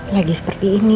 lagi seperti ini